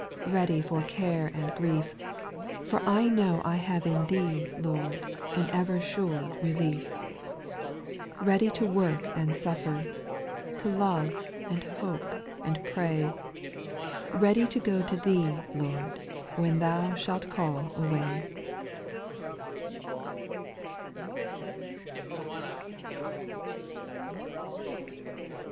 Ready for care and grie^ For I know I have in Thee, Lord, An ever sure relief ; 12. Ready to work and suffer. To love, and hope, and pray ; Ready to go to Thee, Lord, When Thou shalt call away.